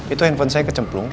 itu handphone saya kecemplung